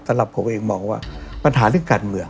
สำหรับผมเองมองว่าปัญหาเรื่องการเมือง